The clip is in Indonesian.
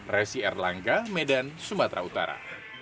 resi erlangga medan sumatera utara